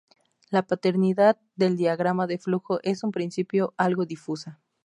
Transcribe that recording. La paternidad del diagrama de flujo es en principio algo difusa.